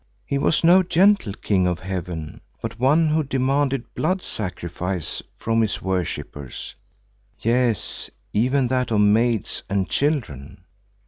He was no gentle king of heaven, but one who demanded blood sacrifice from his worshippers, yes, even that of maids and children.